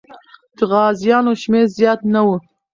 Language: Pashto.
د غازیانو شمېر زیات نه و.